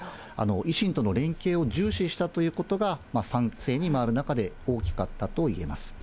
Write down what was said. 維新との連携を重視したということが、賛成に回る中で大きかったといえます。